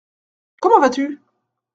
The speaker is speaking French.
Comment vas-tu ?